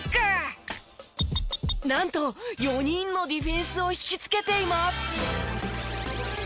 なんと４人のディフェンスを引きつけています。